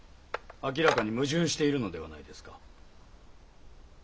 明らかに矛盾しているのではないですか？